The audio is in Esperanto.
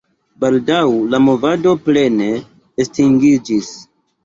Baldaŭ la movado plene estingiĝis.